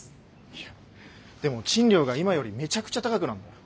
いやでも賃料が今よりめちゃくちゃ高くなるんだよ。